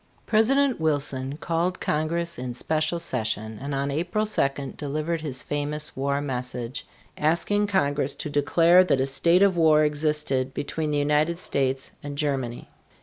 President Wilson called Congress in special session and on April 2 delivered his famous war message, asking Congress to declare that a state of war existed between the United States and Germany.